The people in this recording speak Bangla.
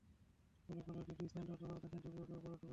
ফলে কলরেট দুই সেন্ট হলে আধা সেন্টের পুরোটাই অপারেটরদের পকেটে যাবে।